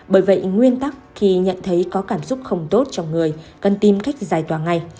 bởi vậy nguyên tắc khi nhận thấy có cảm xúc không tốt trong người cần tìm cách giải tòa ngay